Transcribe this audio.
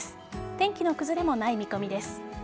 天気の崩れもない見込みです。